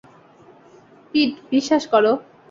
পিট, বিশ্বাস করো।